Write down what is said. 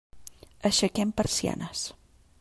Aixequem persianes.